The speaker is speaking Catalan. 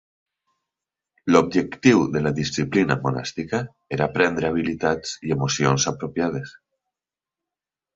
L'objectiu de la disciplina monàstica era aprendre habilitats i emocions apropiades.